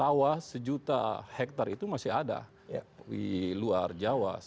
dan sawah sejuta hektare itu masih ada di luar jawa